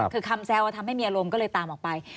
คือคำแซวทำให้มีอารมณ์ก็เลยตามออกไป